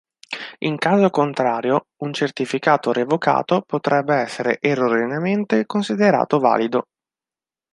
In caso contrario, un certificato revocato potrebbe essere erroneamente considerato valido.